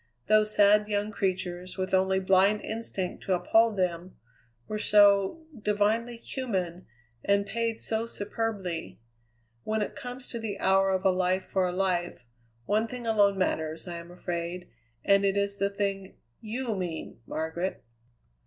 Those sad young creatures, with only blind instinct to uphold them, were so divinely human, and paid so superbly. When it comes to the hour of a life for a life, one thing alone matters, I am afraid, and it is the thing you mean, Margaret."